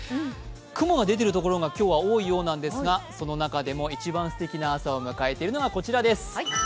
雲が出ているところが今日は多いようなんですが、その中でも一番すてきな朝を迎えているのはこちらです